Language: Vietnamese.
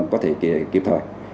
có thể kịp thời